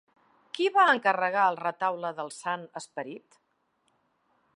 Qui va encarregar el Retaule del Sant Esperit?